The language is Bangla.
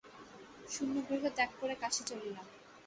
শূন্য গৃহ ত্যাগ করে কাশী চলিলাম।